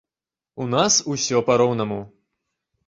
У нас усё па-роўнаму.